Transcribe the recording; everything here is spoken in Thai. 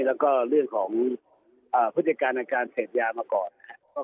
แล้วก็เรื่องของพฤติการในการเสพยามาก่อนนะครับ